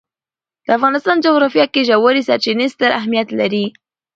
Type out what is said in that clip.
د افغانستان جغرافیه کې ژورې سرچینې ستر اهمیت لري.